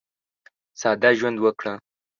ساده ژوند وکړه.